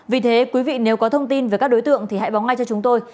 vì thế quý vị nếu có thông tin về các đối tượng thì hãy bóng ngay cho chúng tôi